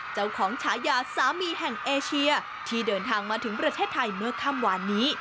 ฉายาสามีแห่งเอเชียที่เดินทางมาถึงประเทศไทยเมื่อค่ำวานนี้